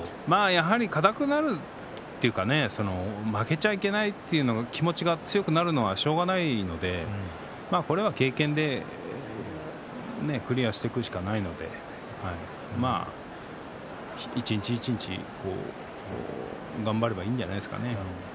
やはり硬くなるというか負けてはいけないという気持ちが強くなるのはしかたがないのでこれは経験でクリアしていくしかないので一日一日、頑張ればいいんじゃないでしょうかね。